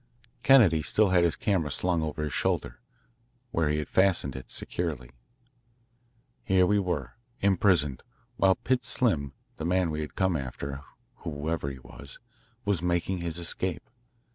Kennedy still had his camera slung over his shoulder, where he had fastened it securely. Here we were, imprisoned, while Pitts Slim, the man we had come after, whoever he was, was making his escape.